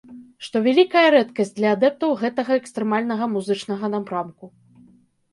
Што вялікая рэдкасць для адэптаў гэтага экстрэмальнага музычнага напрамку.